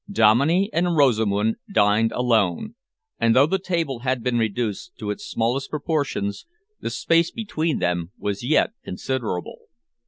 Dominey and Rosamund dined alone, and though the table had been reduced to its smallest proportions, the space between them was yet considerable.